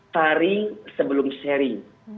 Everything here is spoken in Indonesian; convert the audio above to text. sharing sebelum sharing